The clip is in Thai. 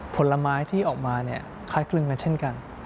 ผลไม้ที่ออกมาเนี่ยคล้ายคลึงกันเช่นกัน